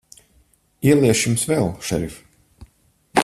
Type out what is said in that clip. Ieliešu Jums vēl, šerif.